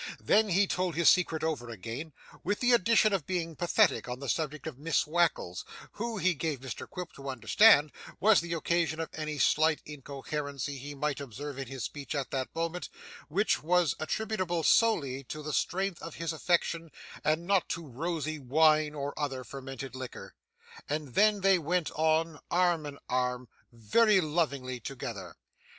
Then he told his secret over again, with the addition of being pathetic on the subject of Miss Wackles, who, he gave Mr Quilp to understand, was the occasion of any slight incoherency he might observe in his speech at that moment, which was attributable solely to the strength of his affection and not to rosy wine or other fermented liquor. And then they went on arm in arm, very lovingly together.